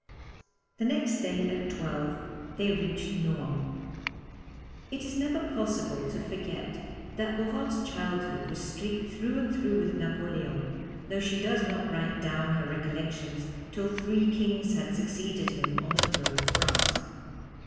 The next day at twelve they reached Nohant. It is never possible to forget that Aurore's childhood was streaked through and through with Napoleon, though she does not write down her recollections till three kings had succeeded him on the throne of France.